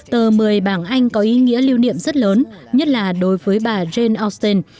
tờ một mươi bảng anh có ý nghĩa lưu niệm rất lớn nhất là đối với bà jane austen